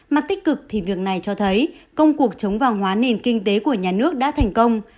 mặt tích cực thì việc này cho thấy công cuộc chống vàng hóa nền kinh tế của nhà nước đã thành công